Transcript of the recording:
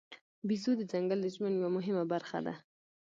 بیزو د ځنګل د ژوند یوه مهمه برخه ده.